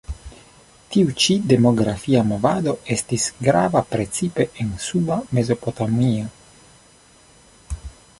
Tiu ĉi demografia movado estis grava precipe en Suba Mezopotamio.